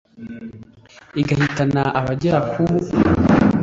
igahitana abagera ku